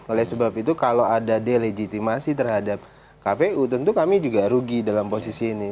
oleh sebab itu kalau ada delegitimasi terhadap kpu tentu kami juga rugi dalam posisi ini